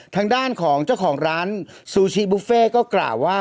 ทางด้านของเจ้าของร้านซูชิบุฟเฟ่ก็กล่าวว่า